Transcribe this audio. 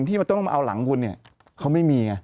ที่มันต้องมาเอาหลังคุณเนี่ยเขาไม่มีไง